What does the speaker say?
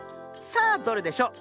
さあどれでしょう。